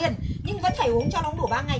nhưng vẫn phải uống cho nó đủ ba ngày